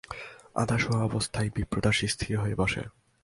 আধ-শোওয়া অবস্থায় বিপ্রদাস স্থির হয়ে বসে।